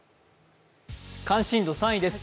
関心度３位です。